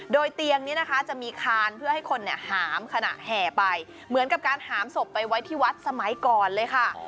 โดยเตียงนี้นะคะจะมีคานเพื่อให้คนหามขณะแห่ไปเหมือนกับการหามศพไปไว้ที่วัดสมัยก่อนเลยค่ะ